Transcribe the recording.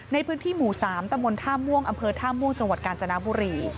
ในพื้นที่หมู่๓ตะมนต์ท่าม่วงอำเภอท่าม่วงจังหวัดกาญจนบุรี